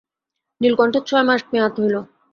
নীলকণ্ঠের ছয় মাস মেয়াদ হইল।